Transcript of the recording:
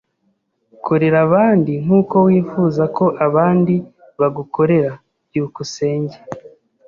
Korera abandi nkuko wifuza ko abandi bagukorera. byukusenge